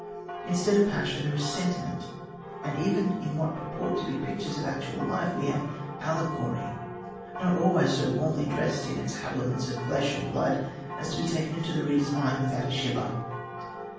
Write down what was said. Instead of passion there is sentiment and even in what purport to be pictures of actual life we have allegory, not always so warmly dressed in its habiliments of flesh and blood as to be taken into the reader's mind without a shiver.